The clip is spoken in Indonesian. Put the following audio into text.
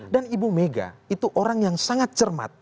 dan ibu mega itu orang yang sangat cermat